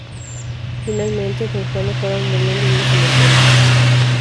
Finalmente, Don Juan acaba muriendo en un cementerio.